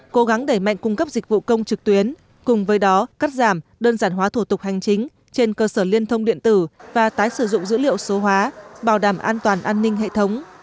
cố gắng đẩy mạnh cung cấp dịch vụ công trực tuyến cùng với đó cắt giảm đơn giản hóa thủ tục hành chính trên cơ sở liên thông điện tử và tái sử dụng dữ liệu số hóa bảo đảm an toàn an ninh hệ thống